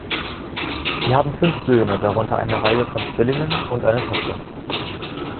Sie haben fünf Söhne, darunter eine Reihe von Zwillingen, und eine Tochter.